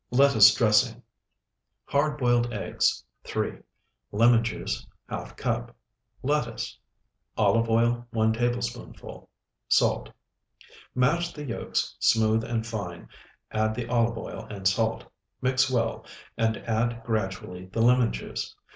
LETTUCE DRESSING Hard boiled eggs, 3. Lemon juice, ½ cup. Lettuce. Olive oil, 1 tablespoonful. Salt. Mash the yolks smooth and fine, add the olive oil and salt. Mix well, and add gradually the lemon juice.